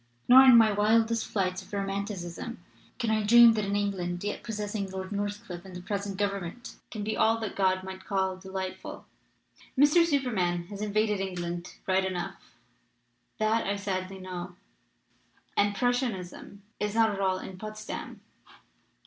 Nor in my wildest flights of romanticism can I dream that an England yet possessing Lord Northcliffe and the present Government can be all that God might call de lightful. Mr. Superman has invaded England right enough, that I sadly know; and Prussianism is not all in Potsdam.